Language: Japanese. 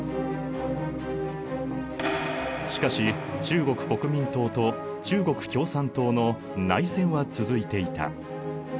しかし中国国民党と中国共産党の内戦は続いていた。